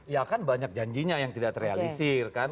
ya kan banyak janjinya yang tidak terrealisir kan